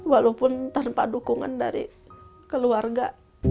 walaupun tanpa dukungan dari keluarga